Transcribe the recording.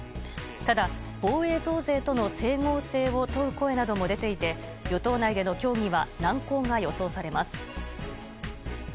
ただ、防衛増税との整合性を問う声も出ていて与党内での協議は難航が予想されます。